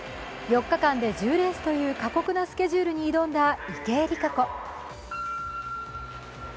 ４日間で１０レースという過酷なスケジュールに挑んだ池江璃花子。